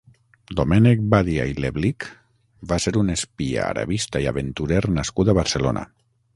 Domènec Badia i Leblich va ser un espia, arabista i aventurer nascut a Barcelona.